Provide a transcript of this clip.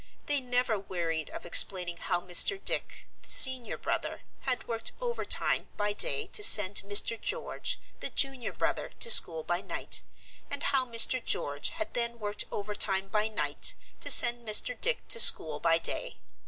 They never wearied of explaining how Mr. Dick, the senior brother, had worked overtime by day to send Mr. George, the junior brother, to school by night, and how Mr. George had then worked overtime by night to send Mr. Dick to school by day.